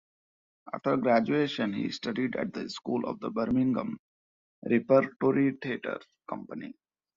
After graduation he studied at the school of the Birmingham Repertory Theatre Company.